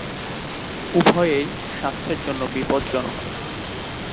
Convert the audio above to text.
উভয়েই স্বাস্থ্যের জন্য বিপজ্জনক।